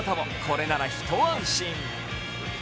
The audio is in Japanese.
これなら一安心。